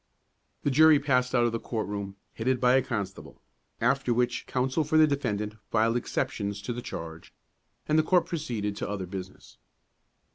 The jury passed out of the court room, headed by a constable, after which counsel for the defendant filed exceptions to the charge, and the court proceeded to other business.